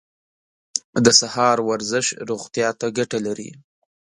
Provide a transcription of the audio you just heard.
د سهار ورزش روغتیا ته ګټه لري.